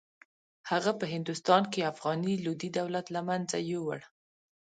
هغه په هندوستان کې افغاني لودي دولت له منځه یووړ.